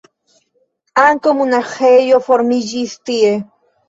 Ankaŭ monaĥejo formiĝis tie.